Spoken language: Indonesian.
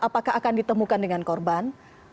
apakah akan ditemukan dengan korban